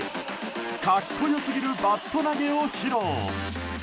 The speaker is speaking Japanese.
格好良すぎるバット投げを披露。